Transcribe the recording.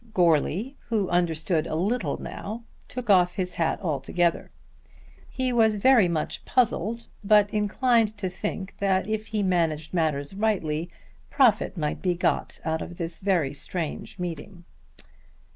Goarly, who understood a little now, took his hat altogether off. He was very much puzzled but inclined to think that if he managed matters rightly, profit might be got out of this very strange meeting.